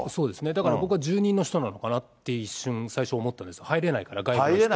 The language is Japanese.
だから僕は住人の人なのかなって、一瞬、最初思ったんです、入れないから、外部の人。